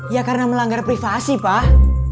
ya karena melanggar privasi pak